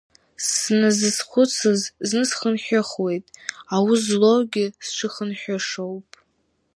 Сназызхәыцыз зны схынҳәыхуеит, аус злоугьы сшыхынҳәышоуп.